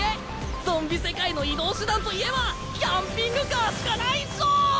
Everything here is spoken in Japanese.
ゾンビ世界の移動手段といえばキャンピングカーしかないっしょ！